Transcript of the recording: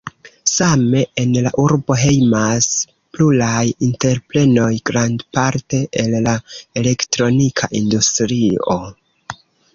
Same en la urbo hejmas pluraj entreprenoj, grandparte el la elektronika industrio.